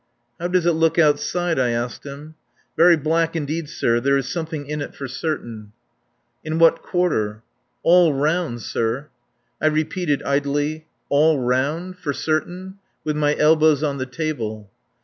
"How does it look outside?" I asked him. "Very black, indeed, sir. There is something in it for certain." "In what quarter?" "All round, sir." I repeated idly: "All round. For certain," with my elbows on the table.